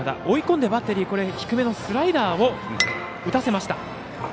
追い込んでバッテリー低めのスライダーを打たせました。